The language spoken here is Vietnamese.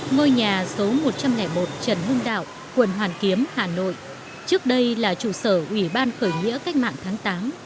ngôi nhà số một trăm linh một trần hưng đạo quận hoàn kiếm hà nội trước đây là trụ sở ủy ban khởi nghĩa cách mạng tháng tám